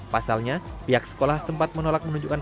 pasalnya pihak sekolah sempat menolak menunjukkan